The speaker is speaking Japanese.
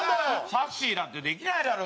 さっしーだってできないだろう。